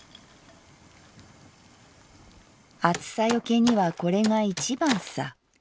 「『暑さよけにはこれがいちばんさ』。